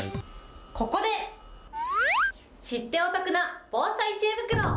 ここで、知ってお得な防災知恵袋。